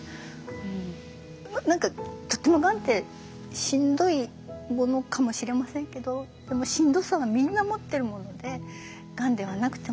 何かとってもがんってしんどいものかもしれませんけどでもしんどさはみんな持ってるものでがんではなくてもいろんなこと。